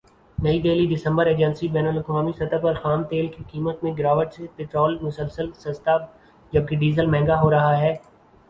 نئی دہلی دسمبرایجنسی بین الاقوامی سطح پر خام تیل کی قیمت میں گراوٹ سے پٹرول مسلسل سستا جبکہ ڈیزل مہنگا ہو رہا ہے